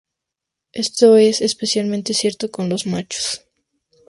Esto es especialmente cierto con los machos.